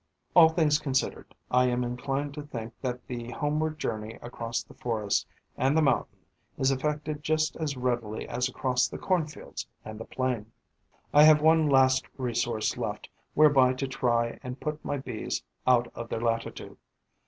All things considered, I am inclined to think that the homeward journey across the forest and the mountain is effected just as readily as across the corn fields and the plain. I have one last resource left whereby to try and put my Bees out of their latitude.